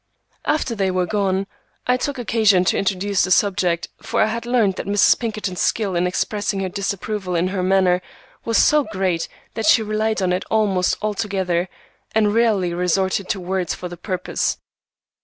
After they were gone, I took occasion to introduce the subject, for I had learned that Mrs. Pinkerton's skill in expressing her disapproval in her manner was so great that she relied on it almost altogether, and rarely resorted to words for the purpose.